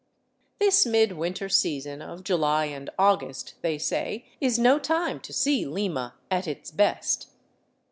This mid winter season of July and August, they say, is no time to see Lima at its best.